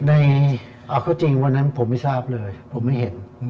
ในเอาจริงวันนั้นผมไม่ทราบเลยผมไม่เห็น